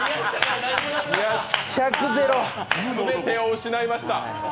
全てを失いました。